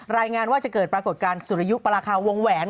รายงานว่าจะเกิดปรากฏการณ์สุริยุปราคาวงแหวน